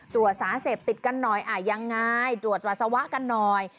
ตรวจสารเสพติดกันหน่อยยังไงตรวจปัสสาวะกันหน่อย